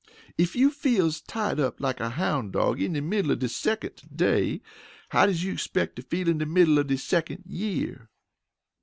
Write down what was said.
"Ef you feels tied up like a houn' dawg in de middle of de secont day, how does you expeck to feel in de middle of de secont year?"